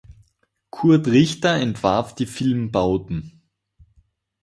Kurt Richter entwarf die Filmbauten.